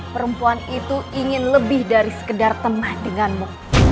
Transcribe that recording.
perempuan itu ingin lebih dari sekedar teman denganmu